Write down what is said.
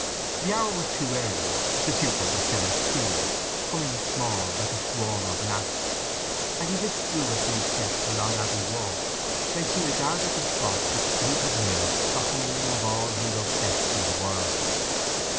The hour was too early; the pupils were still in school, humming small, like a swarm of gnats; and he withdrew a few steps along Abbey Walk, whence he regarded the spot which fate had made the home of all he loved best in the world.